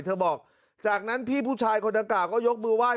เธอบอกจากนั้นพี่ผู้ชายคนอากาศก็ยกมือไหว้